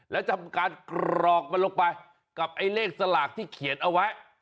แล้วทำการกรอกมันลงไปกับไอ้เลขสลากที่เขียนเอาไว้